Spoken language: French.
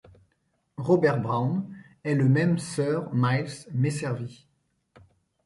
Robert Brown est le même Sir Miles Messervy.